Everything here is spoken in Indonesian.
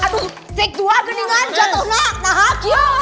aduh teh dua geningan jatuh nak nahak ya